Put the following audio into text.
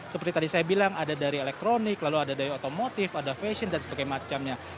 seperti tadi saya bilang ada dari elektronik lalu ada dari otomotif ada fashion dan sebagainya